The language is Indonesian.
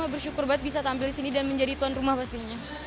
bersyukur banget bisa tampil di sini dan menjadi tuan rumah pastinya